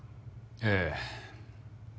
ええ。